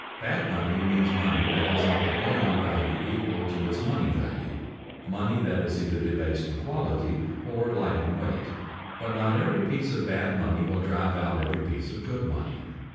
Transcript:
"Bad" money means money that has not the bullion value equal to its money value, money that is either debased in quality or light in weight. But not every piece of bad money will drive out every piece of good money.